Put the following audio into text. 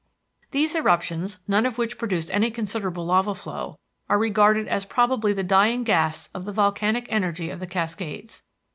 These eruptions, none of which produced any considerable lava flow, are regarded as probably the dying gasps of the volcanic energy of the Cascades.